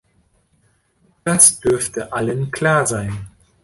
Das dürfte allen klar sein.